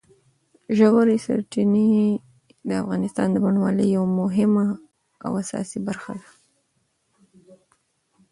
ژورې سرچینې د افغانستان د بڼوالۍ یوه مهمه او اساسي برخه ده.